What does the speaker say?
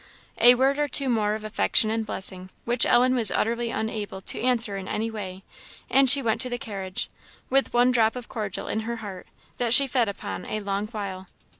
A word or two more of affection and blessing, which Ellen was utterly unable to answer in any way and she went to the carriage; with one drop of cordial in her heart, that she fed upon a long while.